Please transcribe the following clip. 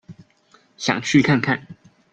想去看看